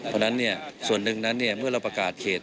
เพราะฉะนั้นส่วนหนึ่งนั้นเมื่อเราประกาศเขต